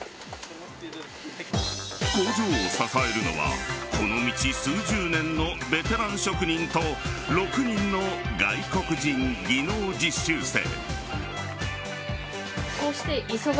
工場を支えるのはこの道数十年のベテラン職人と６人の外国人技能実習生。